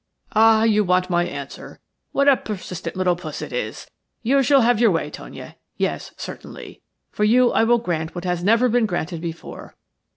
"Ah, you want my answer. What a persistent little puss it is! You shall have your way, Tonia – yes, certainly. For you I will grant what has never been granted before.